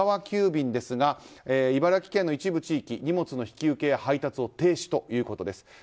急便ですが茨城県の一部地域荷物の引き受けや配達を停止ということです。